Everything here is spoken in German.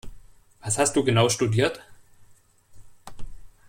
Was hast du genau studiert?